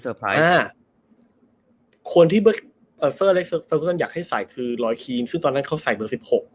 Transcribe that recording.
แต่ว่าคนที่เซอร์เล็กเซอร์กุ๊ตันอยากให้ใส่คือลอยคีนซึ่งตอนนั้นเขาใส่เบอร์๑๖